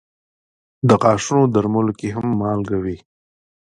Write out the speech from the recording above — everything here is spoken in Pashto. د غاښونو درملو کې هم مالګه وي.